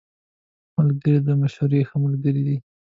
ملګری د مشورې ښه ملګری دی